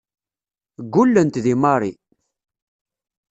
Ggullent deg Mary.